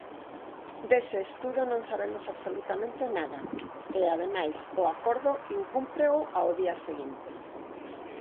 Dese estudo non sabemos absolutamente nada, e, ademais, o acordo incúmpreo ao día seguinte.